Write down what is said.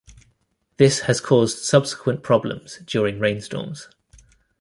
This has caused subsequent problems during rainstorms.